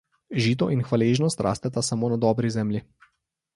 Žito in hvaležnost rasteta samo na dobri zemlji.